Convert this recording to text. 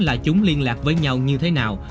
là chúng liên lạc với nhau như thế nào